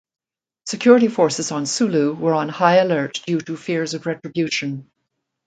Security forces on Sulu were on high alert due to fears of retribution.